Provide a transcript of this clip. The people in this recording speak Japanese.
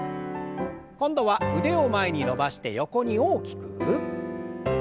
今度は腕を前に伸ばして横に大きく。